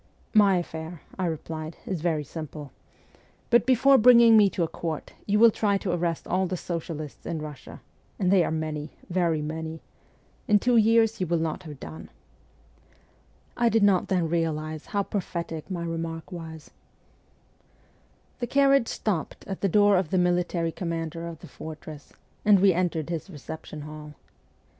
' My affair,' I replied, ' is very simple ; but before bringing me to a court you will try to arrest all the socialists in Russia, and they are many, very many ; in two years you w r ill not have done.' I did not then realize how prophetic my remark was. 136 MEMOIRS OF A REVOLUTIONIST The carriage stopped at the door of the military commander of the fortress, and we entered his recep tion hall.